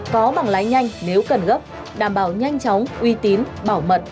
có bằng lái nhanh nếu cần gấp đảm bảo nhanh chóng uy tín bảo mật